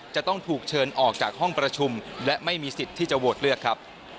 จึงออกจากห้องประชุมและไม่มีสิทธิ์ที่จะโวทย์เลือกครับ